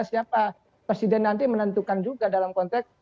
siapa presiden nanti menentukan juga dalam konteks